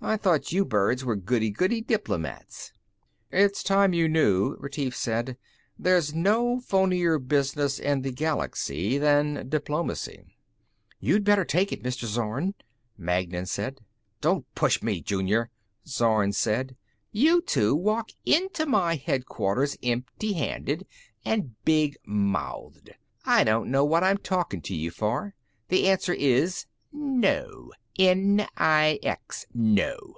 I thought you birds were goody goody diplomats." "It's time you knew," Retief said. "There's no phonier business in the Galaxy than diplomacy." "You'd better take it, Mr. Zorn," Magnan said. "Don't push me, Junior!" Zorn said. "You two walk into my headquarters empty handed and big mouthed. I don't know what I'm talking to you for. The answer is no. N I X, no!"